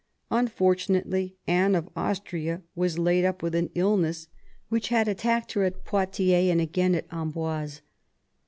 Unfortunately, Anne of Austria was laid up with an illness which had attacked her at Poitiers and again at Amboise.